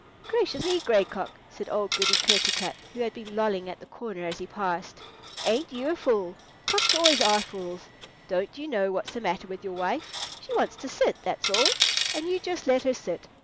"Gracious me, Gray Cock!" said old Goody Kertarkut, who had been lolling at the corner as he passed, "ain't you a fool?—cocks always are fools. Don't you know what's the matter with your wife? She wants to sit, that's all; and you just let her sit.